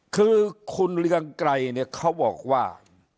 คือคุณเรืองไกรเนี่ยเขาบอกว่า